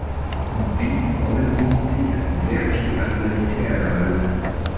Vi bone scias verki amleteron.